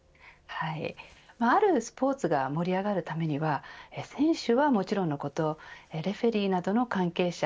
あるスポーツが盛り上がるためには選手はもちろんのことレフェリーなどの関係者